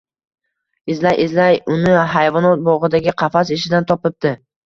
Izlay-izlay uni hayvonot bog‘idagi qafas ichidan topibdi